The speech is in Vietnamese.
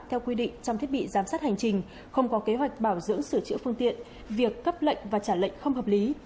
theo quy định trong thiết bị giám sát hành trình không có kế hoạch bảo dưỡng sửa chữa phương tiện việc cấp lệnh và trả lệnh không hợp lý